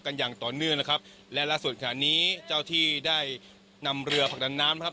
อย่างต่อเนื่องนะครับและล่าสุดขณะนี้เจ้าที่ได้นำเรือผลักดันน้ำนะครับ